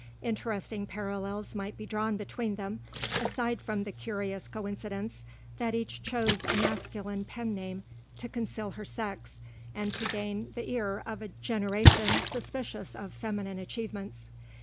Interesting parallels might be drawn between them, aside from the curious coincidence that each chose a masculine pen name to conceal her sex, and to gain the ear of a generation suspicious of feminine achievements.